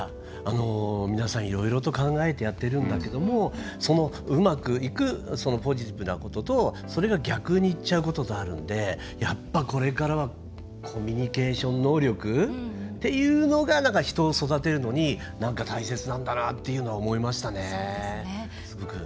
皆さん、いろいろと考えてやっているんだけどもうまくいくポジティブなこととそれが逆にいっちゃうこととあるんでやっぱ、これからはコミュニケーション能力っていうのが人を育てるのに大切なんだなっていうのは思いましたね、すごく。